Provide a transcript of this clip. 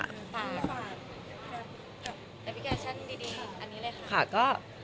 แรฟฟิแกชันดีอันนี้เลยค่ะ